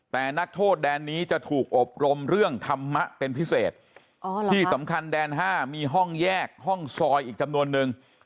แต่นักโทษแดนนี้จะถูกอบรมเรื่องธรรมะเป็นพิเศษที่สำคัญแดน๕มีห้องแยกห้องซอยอีกจำนวนนึง